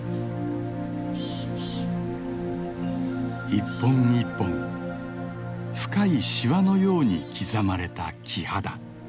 １本１本深いしわのように刻まれた木肌。